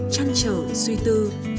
chăn trở suy tư